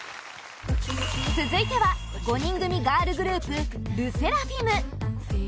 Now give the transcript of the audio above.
続いては５人組ガールグループＬＥＳＳＥＲＡＦＩＭ